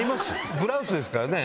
ブラウスですからね。